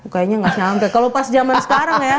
kayaknya nggak sampai kalau pas zaman sekarang ya